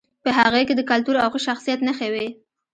په هغې کې د کلتور او ښه شخصیت نښې وې